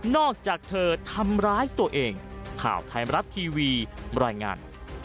อกจากเธอทำร้ายตัวเองข่าวไทยมรัฐทีวีบรรยายงาน